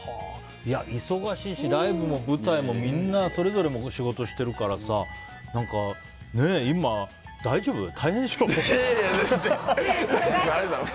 忙しいし、ライブも舞台もみんなそれぞれ仕事してるからさ何か今、大丈夫？大変でしょ。